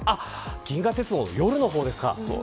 銀河鉄道の夜の方ですか。